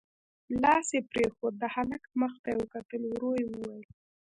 لاس يې پرېښود، د هلک مخ ته يې وکتل، ورو يې وويل: